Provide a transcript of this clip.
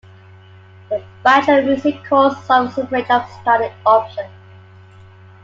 The Bachelor Music course offers a range of study options.